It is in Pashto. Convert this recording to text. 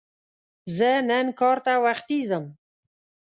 زه نن کار ته وختي ځم